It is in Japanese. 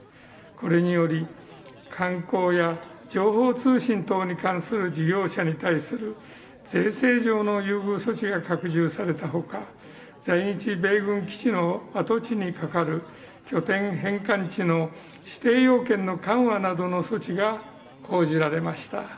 これにより、観光や情報通信等に関する事業者に対する税制上の優遇措置が拡充されたほか在日米軍基地の跡地に係る拠点返還地の指定要件の緩和などの措置が講じられました。